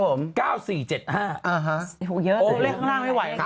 โหเรข้างล่างไม่ไหว